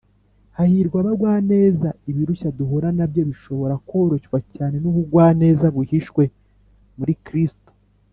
“hahirwa abagwaneza” ibirushya duhura na byo bishobora koroshywa cyane n’ubugwaneza buhishwe muri kristo